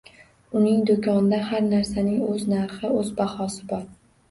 Uning do'konida har narsaning o'z narxi, o'z bahosi bor.